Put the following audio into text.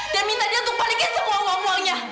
dan minta dia untuk balikin semua uang uangnya